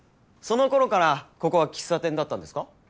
その頃からここは喫茶店だったんですか？